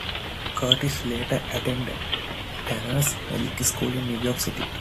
Curtis later attended Tannen's Magic School in New York City.